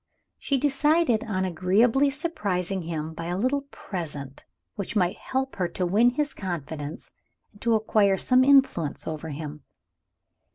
She decided on agreeably surprising him by a little present, which might help her to win his confidence and to acquire some influence over him.